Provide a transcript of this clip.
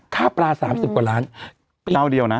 ค่าปลา๓๐กว่าล้านเจ้าเดียวนะ